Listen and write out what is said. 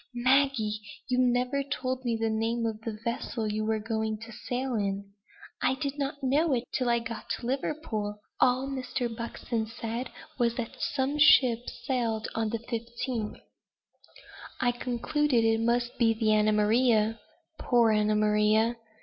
Maggie! you never told me the name of the vessel you were going to sail in!" "I did not know it till I got to Liverpool. All Mr. Buxton said was, that some ship sailed on the 15th." "I concluded it must be the Anna Maria, (poor Anna Maria!)